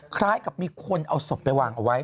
คล้ายกับมีคนเอาศพไปวางเอาไว้